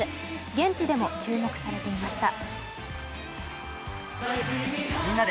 現地でも注目されていました。